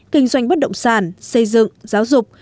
kinh doanh bất động sản xây dựng giáo dục